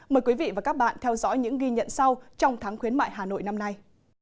mời quý vị và các bạn theo dõi những ghi nhận sau trong tháng khuyến mại hà nội năm nay